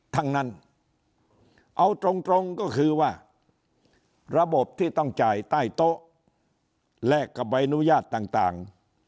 ทั้งนั้นเอาตรงก็คือว่าระบบที่ต้องจ่ายใต้โต๊ะแลกกับใบอนุญาตต่าง